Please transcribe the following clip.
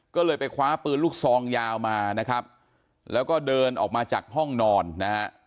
ก็เลยไปคว้าปืนลูกซองยาวมานะครับแล้วก็เดินออกมาจากห้องนอนนะฮะ